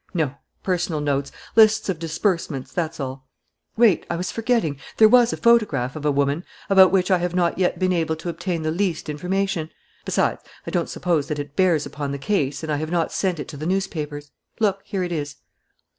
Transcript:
"No. Personal notes, lists of disbursements, that's all. Wait, I was forgetting, there was a photograph of a woman, about which I have not yet been able to obtain the least information. Besides, I don't suppose that it bears upon the case and I have not sent it to the newspapers. Look, here it is."